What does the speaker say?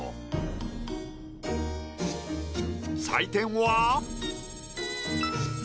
採点は。